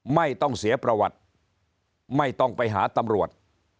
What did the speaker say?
ไม่ต้องเสียประวัติไม่ต้องไปหาตำรวจ